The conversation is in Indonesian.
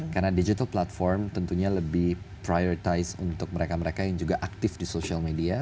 karena digital platform tentunya lebih prioritized untuk mereka mereka yang juga aktif di social media